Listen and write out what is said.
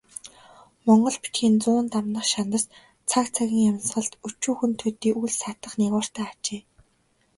Монгол бичгийн зуун дамнах шандас цаг цагийн амьсгалд өчүүхэн төдий үл саатах нигууртай ажээ.